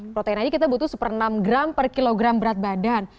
protein aja kita butuh satu enam gram per kilogram berat badan